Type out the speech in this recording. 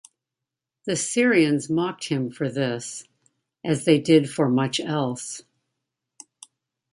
The Syrians mocked him for this, as they did for much else.